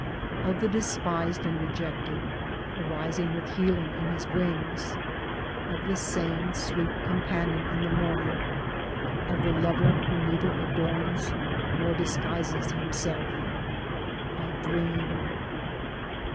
Of the despised and rejected, arising with healing in his wings, of the sane sweet companion in the morning, of the Lover who neither adorns nor disguises himself — I dream.